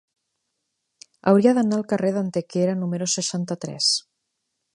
Hauria d'anar al carrer d'Antequera número seixanta-tres.